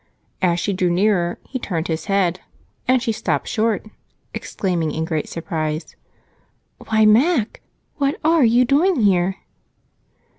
As she drew nearer he turned his head, and she stopped short, exclaiming in great surprise: "Why, Mac! What are you doing here?"